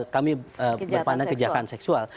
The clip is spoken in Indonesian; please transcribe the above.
kami berpandang kejahatan seksual